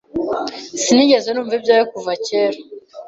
Sinigeze numva ibyawe kuva kera.